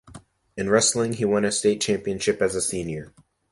In wrestling, he won a state championship as a senior.